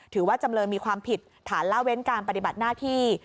จำเลยมีความผิดฐานล่าเว้นการปฏิบัติหน้าที่